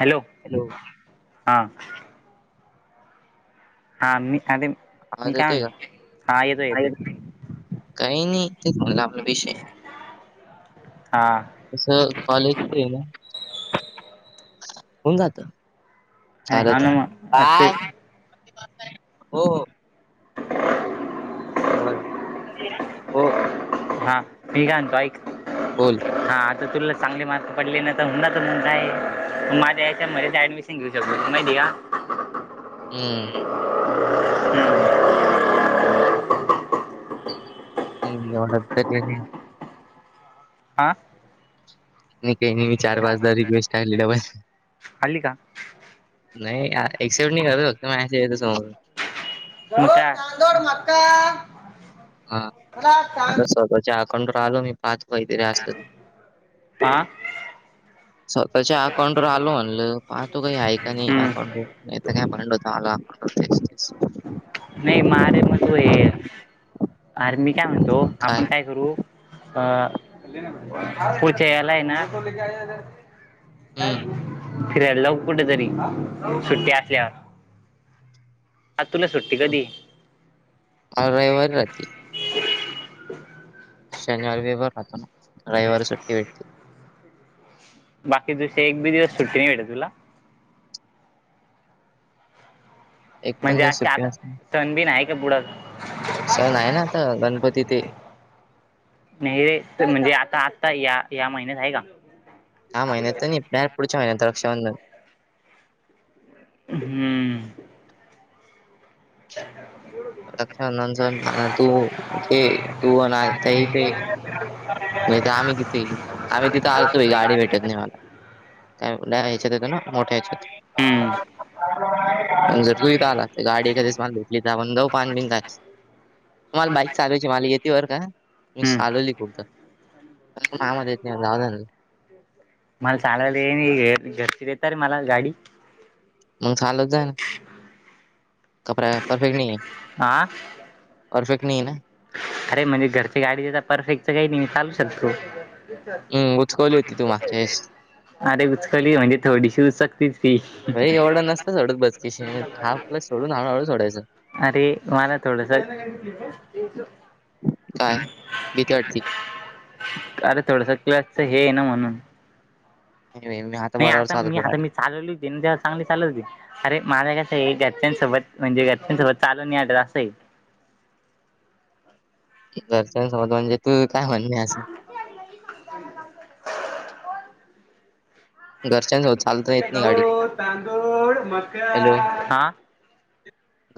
Hello hello हा हा मी आ मी आवाज येतोय कायग का? हा येतो काय येते येत काही नाही ते झालं आपला विषय हां तसं कॉलेजच आहे ना होन जात अरे चाल हां ना मग असं बाय हो नाही नाही बर हो हा म कात एकक बोल हा आता तुला चांगले मार्क पडले ना तर तर मग काय माझ्या यायच्या मध्ये ऍडमिशन थक्यू स माहिया हम्म हम् एवढरी हा नाही काही मही चार पाचार रिक्वेस्टलीला अल् का नाही एक्सेप्ट नाही करत फक्त मॅसेज येतं समोरून तांदोड मक्का हा आता स्वतःच्या अकाउंटवर आलो मी पाच वैतरी असल हां सकाळच्या अकाउंटवरर आलो म्हल पाहतो काही ऐका नाही अकाउंट वर काय मांड च अ नाही मरे मग तू आहे आर मी काय म्हणतो आपण काय करू अ पुढचे याला आहे ना हम्म फिरायला लऊ कुठेतरी सुट्टी असल्यावर आ तुला सुट्टी कधी रविवारी राहते शनिवारी बभर राहतो ना रविवारी सु्टी भटते बाकी दुसेे एक बी दिवस सुटी नाही भेटे तुला एक पण म्हणजे दिवस असे सुट्टी आता नसते सणबीन आहे का पुढं सण आहे ना आता गणपती ते नाही रे तर म्हणजे आता आत्ता या या महिन्यात आहे का ह महिन्यात नाही पुढच्या महिनं लक्ष हम्म लक्षार तू तेे तू ते ते नाही तर आम्ही तिथे आम्ही तिथे आलतो गाडी भेटत नाही मला काय ह्याच्यात येत ना मोठ्याच्या हम्म जर तु आला गाडी एधीचली आपण जाऊ पान बिन का मला बाईक चालवायची मला येते वर का मी हम्म चालवली खूपदा ह माेत जावदल मला चालायला घरची देत रे मला गाडी मग चालत जा ना कपडा परफेक्ट नाही आहे हा परफेक्ट नाही ना अरे म्हणजे घरची गाडी परफेक्टच काही नाही चालू शकतू हम्म उचकवली होती तू माचेस. अरे उचकली म्हणजे थोडीशी उचकतीच ती. काय एवढं नसतं तेवढं बचकीशी हाफ प्लस सोडून हळू सोडायाचं. अरे मला थोडसा काय भीती वाटती अरे थोडसा क्लासच हे ना म्हणून. नाही बाई मी हात नाही आता मी आता मी चालवली होती ना तेव्हा चांगली चालत होते. अरे माझ कसं आहे घरच्यांसोबत म्हणजे घरच्यांसोबत चालू नी [unintelligible] असं आहे. घरच्यांसबत म्हणजे तू काय म्हणणे असं [unintelligible] घरच्यांसोबत चालता येत नाही गाडी हां.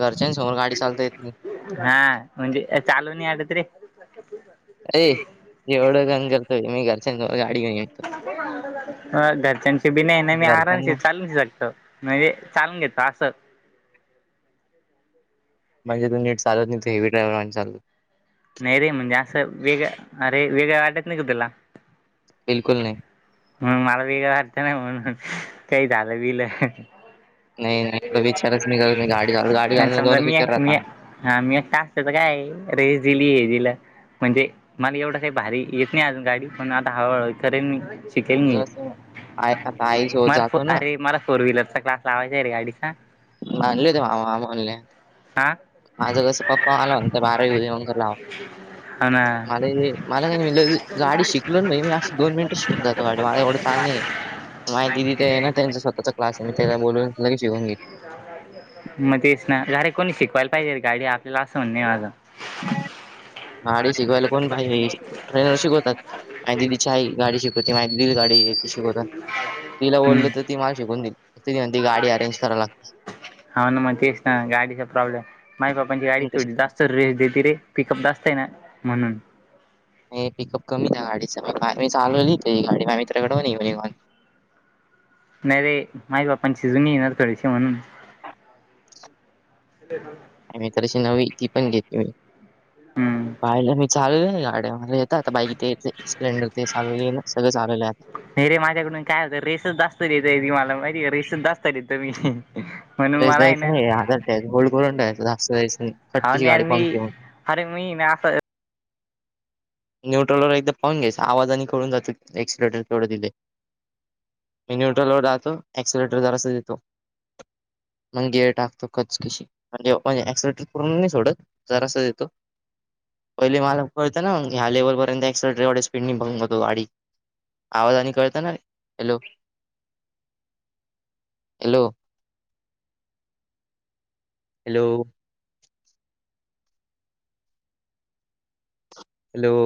घरच्यां समोर गाडी चालता येत की नाही? हा म्हणजे चालू नाही आता तरी. ए एवढं गण करतोय मी घरच्या गाडी नाहीय. अ घरच्यांची बी नाही आहे ना मी घरच्यांना आरामशी चालून शकतो. म्हणजे चालून घेतो असं. म्हणजेू तू नीट चालवत नाही तू हेवी ड्रायवर म्हणून चाल नाही रे म्हणजे असं वेगळं अरे वेगळं वाटत नाही का तुला? बिलकुल नाही हम्म मला वेगळं वाटतं नाही म्हणून काही झालं बिलं. नाही नाही एवढा विचारच नाही करत मी गाडी चालवतो गाडी आणि चालवताना समजा दोनच मी विचार आहे, मी आ हा मी एकटा असतं तर काय आहे रेस दिली हे दिला. म्हणजे मला एवढं काही भारी येत नाही अजून गाडी पण आता हळूहळू करेन मी. शिकेल मी राहतात आई आता आईसोबत मार फो जातो ना मला फोर व्हीलरचा क्लास लावायचा रे गाडीचा. मानलेते मा आम्ही ऑनलाईन हां माझं कसं पप्पा आला होंत बारावी उदयंकर लाव हो ना मला हे मला नाही. [unintelligible] गाडी शिकलोेन मी अशी दोन मिनिटं शिकवून जातो गाडी मला एवढं ताण नाही आहे. माय दीदि ते आहे ना त्यांचा स्वतःचा क्लास आहे मी त्याला बोलून लगेच शिकून घेईल. मग तेच ना घरी कोणी शिकवायला पाहिजे गाडी आपल्याला असं म्हणणे माझं. गाडी शिकवायला कोण भाई मिळू शकते. ट्रेनर शिकवतात माय दिदिची आहे गाडी शिकवते माझं दिली गाडी एक. तिला बोलल तर ती मला शिकून देईल. [unintelligible] करावी लागते हो ना मग तेच ना गाडीचा प्रॉब्लेम माझे प पांची ची गाडी पण कशी थोडी जास्त रेज देत रे पिकअप जास्त आहे ना म्हणून. नाही पिकअप कमी त्या गाडीचा आम्ही ती चालवली ती गाडी माझे मित्रकडन. [unintelligible] नाही रे माझ्या पप्पांची जुनी येणार थोडी सी म्हणून. माय मित्राशी नवी ती पण घेतली. हम्म. पाहिलं मी चालवले आहे ना गाड्या मला येतात बाईक ते स्प्लेंडर ते चालवले ना सगळे चालवलेयात. नाही रे माझ्याकडून काय होतं रेसचं जास्त देतय ती मला माहिती आहे रेसचं जास्त देतं मी. म्हणून रेस मला आहे द्यायचा ना नाही आजर ठेवायचा होल्ड करून ठेवायचा जास्त [unintelligible] नाही. हा फटकीची नेर गाडी मी पंक् येऊन अरे मी ना असं न्यूट्रल वर एकदा पाहून घ्यायचां आवाज आणि कळून जाते एक्सिलेटर केवढे दिले. मी न्यूट्रल व राहतो एक्सिलेटर जरासा देतो. म्हणून गियर टाकतो कच कशी. म्हणजे म्हणे एक्सेलेटर पूर्ण नाही सोडत जरासा देतो पहिले मला कळतं ना ह्या लेवलपर्यंत एक्सेलेटर एवढे स्पीड नी बंद होतो गाडी. आवाजानी कळतं ना हॅलो हॅलो. हॅलो! हॅलो!